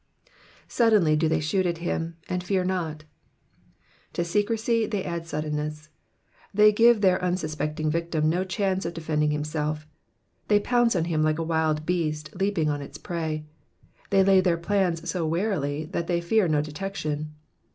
''^Suddenly do they shoot at him, and fear not.'*'* To secrecy they add suddenness. They give their unsuspecting victim no chance of defending himself ; they pounce on him like a wild beast leaping on its prey. They lay their plans so warily that they fear no detection.